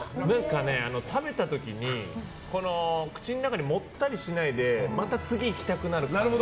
食べた時に、口の中にもったりしないでまた次いきたくなる感じ。